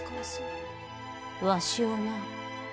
わしをな！